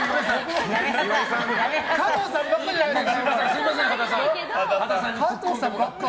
加藤さんばっかりじゃないですか。